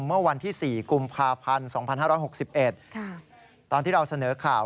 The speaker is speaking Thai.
เมื่อวันที่๔กุมภาพันธ์๒๕๖๑ตอนที่เราเสนอข่าว